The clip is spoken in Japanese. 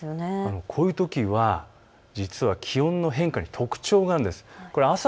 こういうときは実は気温の変化に特徴があるんです。